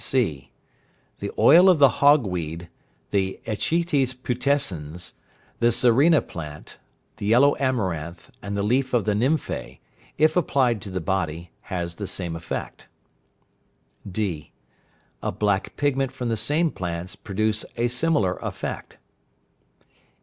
(c). The oil of the hog weed, the echites putescens, the sarina plant, the yellow amaranth, and the leaf of the nymphæ, if applied to the body, has the same effect. (d). A black pigment from the same plants produce a similar effect.